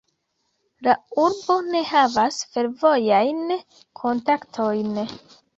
La urbo ne havas fervojajn kontaktojn.